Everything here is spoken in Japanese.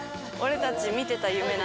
「俺たち見てた夢」